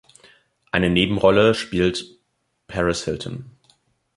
Eine Nebenrolle spielt Paris Hilton.